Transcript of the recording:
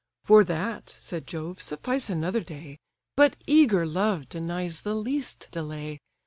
"For that (said Jove) suffice another day! But eager love denies the least delay.